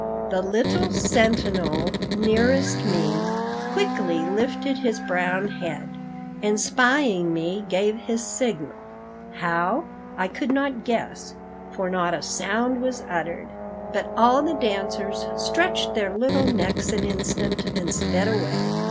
The little sentinel nearest me quickly lifted his brown head, and spying me gave his signal how, I could not guess, for not a sound was uttered; but all the dancers stretched their little necks an instant and sped away.